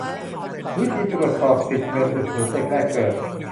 วิธีตรวจสอบสิทธิ์เงินอุดหนุนเด็กแรกเกิด